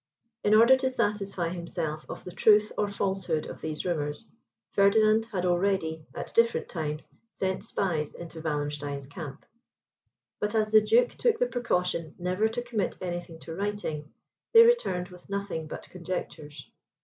In order to satisfy himself of the truth or falsehood of these rumours, Ferdinand had already, at different times, sent spies into Wallenstein's camp; but as the Duke took the precaution never to commit anything to writing, they returned with nothing but conjectures.